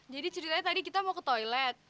jadi ceritanya tadi kita mau ke toilet